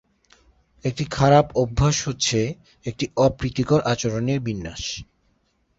একটি খারাপ অভ্যাস হচ্ছে একটি অপ্রীতিকর আচরণের বিন্যাস।